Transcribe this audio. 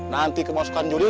nanti kemasukan juri